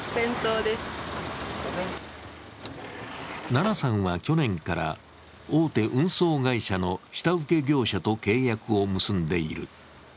ななさんは去年から大手運送会社の下請け業者と契約を結んでいる。